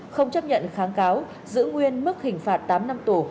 không chấp nhận kháng cáo giữ nguyên mức hình phạt tám năm tù